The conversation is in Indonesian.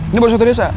ini baru satu desa